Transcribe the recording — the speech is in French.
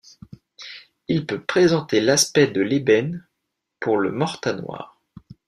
Il peut présenter l'aspect de l'ébène pour le morta noir.